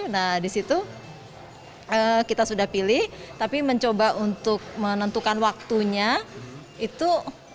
nah disitu kita sudah pilih tapi mencoba untuk menentukan waktunya itu